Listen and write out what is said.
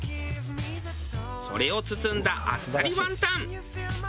それを包んだあっさりワンタン。